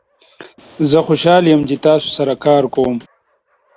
زه خوشحال یم چې تاسو سره کار کوم.